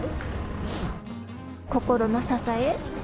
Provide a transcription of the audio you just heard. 心の支え。